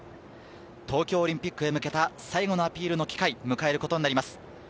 東京オリンピックへ向けた最後のアピールの機会を迎えることになります。